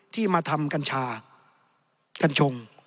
ที่มาทำกัญชากัญชง